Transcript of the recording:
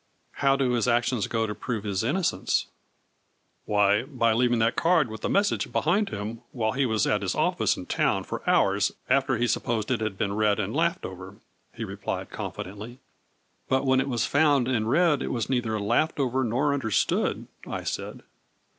" How do his actions go to prove his inno cence ?"" Why, by leaving that card with the mes sage behind him, while he wa's at his office in town for hours after he supposed it had been read and laughed over," he replied confidently. " But when it was found and read it was neither laughed over nor understood," I said.